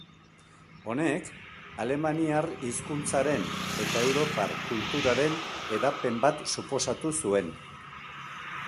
Honek alemaniar hizkuntzaren eta europar kulturaren hedapen bat suposatu zuen.